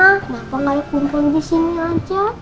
kenapa nggak kumpul di sini aja